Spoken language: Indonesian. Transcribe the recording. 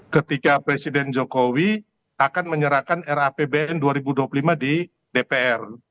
ketika presiden jokowi akan menyerahkan rapbn dua ribu dua puluh lima di dpr